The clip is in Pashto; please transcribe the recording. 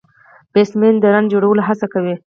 بيټسمېن د رن جوړولو هڅه کوي.